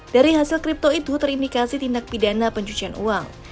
dari hasil kripto itu terindikasi tindak pidana pencucian uang